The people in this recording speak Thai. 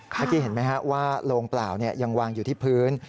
เมื่อกี้เห็นไหมฮะว่าโลงเปล่ายังวางอยู่ที่พื้น